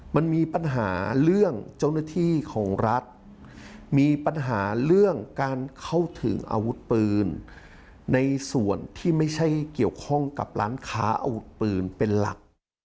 มันมีปัญหาเรื่องเจ้าหน้าที่ของรัฐมีปัญหาเรื่องการเข้าถึงอาวุธปืนในส่วนที่ไม่ใช่เกี่ยวข้องกับร้านค้าอาวุธปืนเป็นหลัก